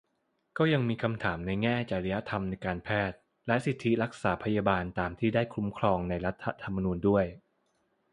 ก็ยังมีคำถามในแง่จริยธรรมการแพทย์ และสิทธิรักษาพยาบาลตามที่ได้คุ้มครองในรัฐธรรมนูญด้วย